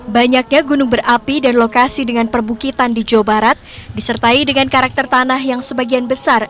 banyaknya gunung berapi dan lokasi dengan perbukitan di jawa barat disertai dengan karakter tanah yang sebagian besar